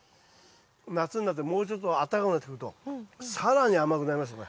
夏になってもうちょっとあったかくなってくると更に甘くなりますこれ。